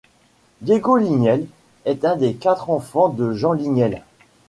Diego Lignel est un des quatre enfants de Jean Lignel.